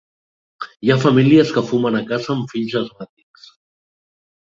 Hi ha famílies que fumen a casa amb fills asmàtics.